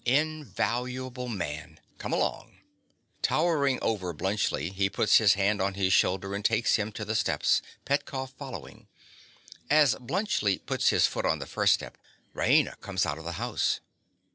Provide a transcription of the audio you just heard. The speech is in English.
Invaluable man! Come along! (_Towering over Bluntschli, he puts his hand on his shoulder and takes him to the steps, Petkoff following. As Bluntschli puts his foot on the first step, Raina comes out of the house.